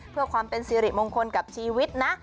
เพื่อความเป็นสิริมงคลกับชีวิตนะ